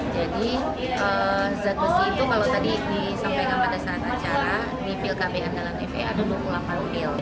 jadi zat besi itu kalau tadi disampaikan pada saat acara di pil kb andalan fe ada dua puluh delapan pil